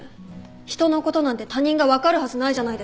人のことなんて他人が分かるはずないじゃないですか。